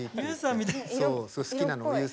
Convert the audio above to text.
好きなの。